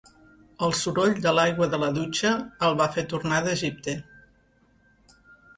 El soroll de l'aigua de la dutxa el va fer tornar d'Egipte.